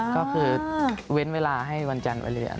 ก็คือเว้นเวลาให้วันจันทร์ไปเรียน